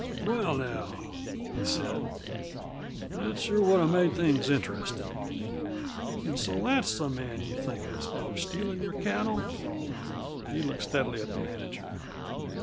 "Well, now," he said, "that sure would have made things interestin'. An' so that's the man you think has been stealin' your cattle?" He looked steadily at the manager.